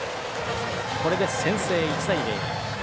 これで先制、１対０。